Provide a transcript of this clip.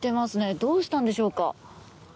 どうしたんでしょうか。